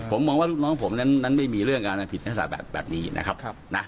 ผมมองว่าลูกน้องผมนั้นไม่มีเรื่องการผิดนักศาสตร์แบบนี้นะครับนะ